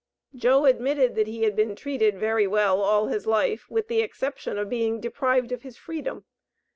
Joe admitted that he had been treated very well all his life, with the exception of being deprived of his freedom.